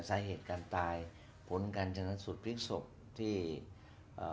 สาเหตุการตายผลการชนะสูตรพลิกศพที่เอ่อ